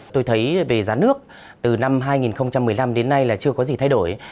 tôi thấy về giá nước từ năm hai nghìn một mươi năm đến nay là chưa có gì thay đổi